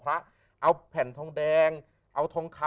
เพราะงั้นเนี่ย